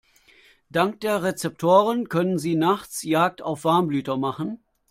Dank der Rezeptoren können sie nachts Jagd auf Warmblüter machen.